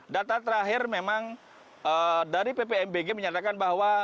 data terakhir memang dari ppmbg menyatakan bahwa